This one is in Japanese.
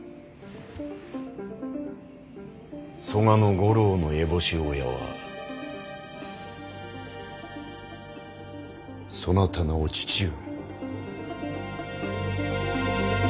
曽我五郎の烏帽子親はそなたのお父上。